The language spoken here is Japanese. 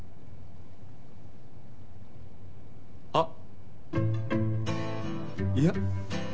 あっいや。